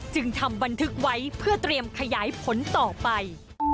จึงทำบันทึกไว้เพื่อเตรียมขยายผลต่อไป